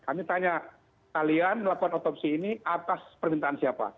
kami tanya kalian melakukan otopsi ini atas permintaan siapa